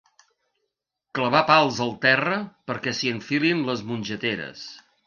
Clavar pals al terra perquè s'hi enfilin les mongeteres.